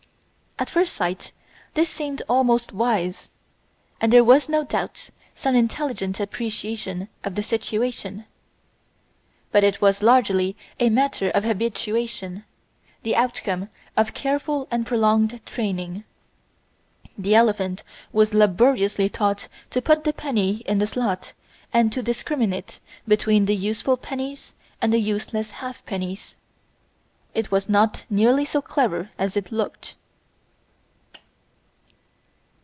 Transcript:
At first sight this seemed almost wise, and there was no doubt some intelligent appreciation of the situation. But it was largely a matter of habituation, the outcome of careful and prolonged training. The elephant was laboriously taught to put the penny in the slot and to discriminate between the useful pennies and the useless halfpennies. It was not nearly so clever as it looked.